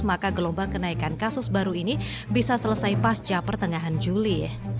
maka gelombang kenaikan kasus baru ini bisa selesai pasca pertengahan juli